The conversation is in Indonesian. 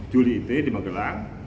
tujuh juli itu ya di magelang